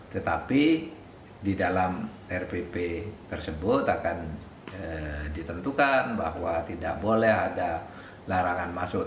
tetapi di dalam rpp tersebut akan ditentukan bahwa tidak boleh ada larangan masuk